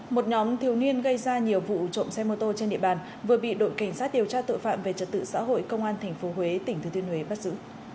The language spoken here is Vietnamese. một nhóm thiếu niên gây ra nhiều vụ trộm xe mô tô trên địa bàn vừa bị đội cảnh sát điều tra tội phạm về trật tự xã hội công an tp huế tỉnh thừa thiên huế bắt giữ